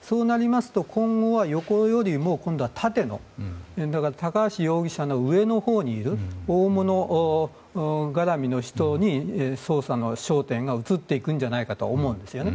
そうなりますと、今後は横よりも、今度は縦の高橋容疑者の上のほうにいる大物絡みの人に捜査の焦点が移っていくんじゃないかと思うんですよね。